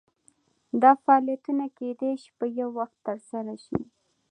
دا فعالیتونه کیدای شي په یو وخت ترسره شي.